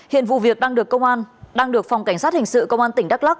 hiện vụ việc đang được công an đang được phòng cảnh sát hình sự công an tỉnh đắk lắc